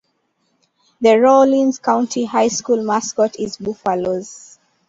The Rawlins County High School mascot is Buffaloes.